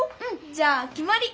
じゃあきまり。